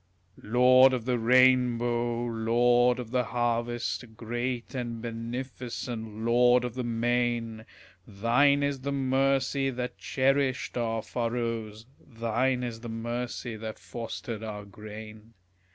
Lord of the rainbow, lord of the harvest, Great and beneficent lord of the main! Thine is the mercy that cherished our furrows, Thine is the mercy that fostered our grain.